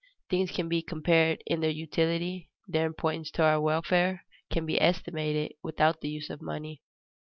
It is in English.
Things can be compared in their utility, their importance to our welfare can be estimated, without the use of money.